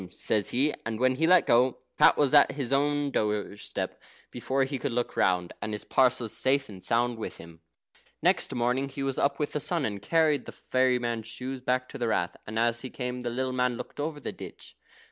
says he, and when he let go, Pat was at his own doorstep before he could look round, and his parcels safe and sound with him. Next morning he was up with the sun, and carried the fairy man's shoes back to the Rath. As he came up, the little man looked over the ditch.